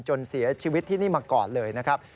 จนเสียชีวิตที่นี่มาก่อนเลยนะครับ